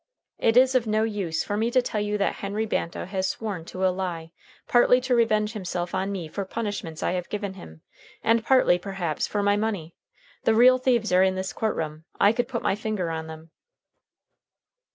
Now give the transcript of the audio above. "It is of no use for me to tell you that Henry Banta has sworn to a lie, partly to revenge himself on me for punishments I have given him, and partly, perhaps, for money. The real thieves are in this court room. I could put my finger on them."